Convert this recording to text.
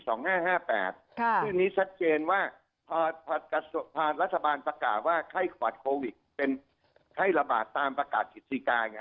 เรื่องนี้ชัดเจนว่ารัฐบาลประกาศว่าไข้หวัดโควิดเป็นไข้ระบาดตามประกาศกิจศรีกาไง